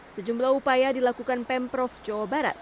sejumlah upaya dilakukan pemprov jawa barat